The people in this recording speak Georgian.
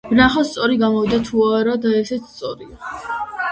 ვნახოთ სწორი გამოვიდა თუ არა და ესეც სწორია.